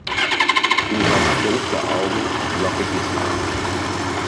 Du hast dunkle Augen und lockiges Haar.